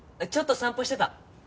ちょっと散歩してた。